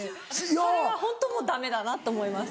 それがホントもうダメだなと思います。